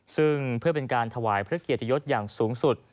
ซึ่งเพื่อเป็นการถวายพระเกียรติยศอย่างสูงสุด